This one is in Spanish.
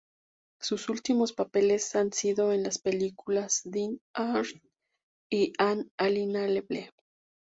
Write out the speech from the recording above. Sus últimos papeles han sido en las películas "Dead Air" y "InAlienable".